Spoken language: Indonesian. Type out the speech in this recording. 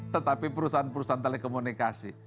tetapi perusahaan perusahaan telekomunikasi